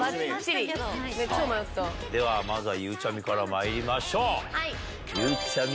ではまずはゆうちゃみからまいりましょう。